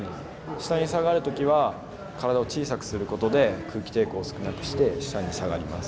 下に下がる時は体を小さくする事で空気抵抗を少なくして下に下がります。